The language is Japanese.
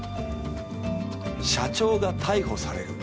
社長が逮捕される。